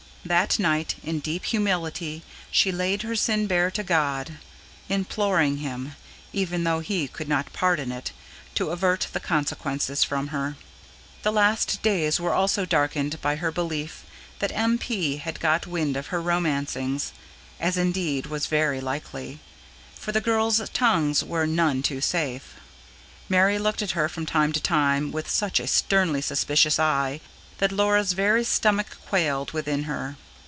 That night in deep humility she laid her sin bare to God, imploring Him, even though He could not pardon it, to avert the consequences from her. The last days were also darkened by her belief that M. P. had got wind of her romancings: as, indeed, was quite likely; for the girls' tongues were none too safe. Mary looked at her from time to time with such a sternly suspicious eye that Laura's very stomach quailed within her.